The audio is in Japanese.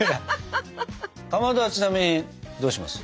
かまどはちなみにどうします？